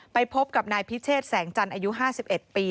ไปพบกับนายพิเชษแสงจันทร์อายุ๕๑ปี